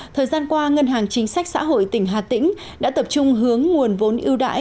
thời gian qua ngân hàng chính sách xã hội tỉnh hà tĩnh đã tập trung hướng nguồn vốn ưu đãi